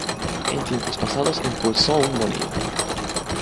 En tiempos pasados impulsó un molino.